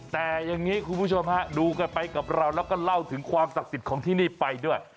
แต่อย่างนี้คุณผู้ชมฮะดูกันไปกับเราแล้วก็เล่าถึงความศักดิ์สิทธิ์ของที่นี่ไปด้วย